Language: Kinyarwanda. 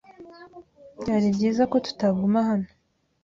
Byari byiza ko tutaguma hano.